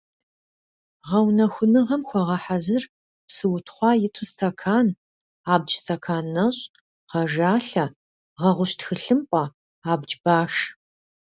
Гъэунэхуныгъэм хуэгъэхьэзыр псы утхъуа иту стэкан, абдж стэкан нэщӀ, гъэжалъэ, гъэгъущ тхылъымпӀэ, абдж баш.